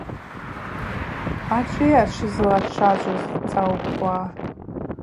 Ачӏвыйа швызлачважваз зцӏаукӏуа?